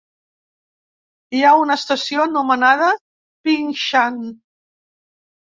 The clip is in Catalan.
Hi ha una estació anomenada "Ping Shan".